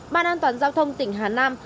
ban an toàn giao thông tỉnh hà nam